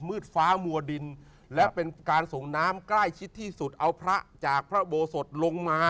ฟ้ามัวดินและเป็นการส่งน้ำใกล้ชิดที่สุดเอาพระจากพระอุโบสถลงมา